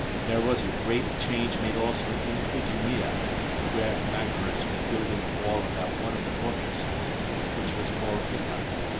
There was a great change made also in Idumea, where Machaerus was building a wall about one of the fortresses, which was called Gittha.